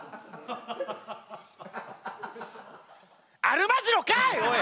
アルマジロかい！